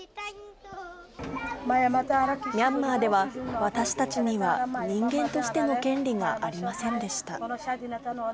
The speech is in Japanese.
ミャンマーでは、私たちには人間としての権利がありませんでした。